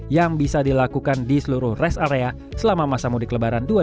yang bisa dilakukan di seluruh rest area selama masa mudik lebaran dua ribu dua puluh